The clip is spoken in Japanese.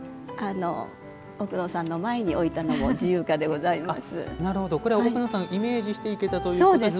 奥野さんの前に置いたのも自由花でございます。